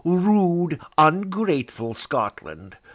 rude ungrateful Scotland!